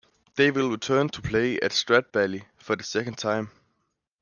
They will return to play at Stradbally for the second time.